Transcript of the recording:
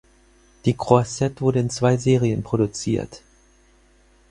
Die Croisette wurde in zwei Serien produziert.